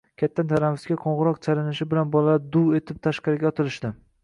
Katta tanaffusga qo‘ng‘iroq chalinishi bilan bolalar duv etib tashqariga otilishdi